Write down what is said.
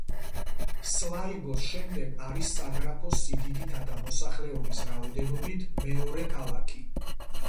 სლაიგოს შემდეგ არის საგრაფოს სიდიდითა და მოსახლეობის რაოდენობით მეორე ქალაქი.